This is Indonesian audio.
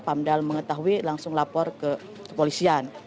pamdal mengetahui langsung lapor ke kepolisian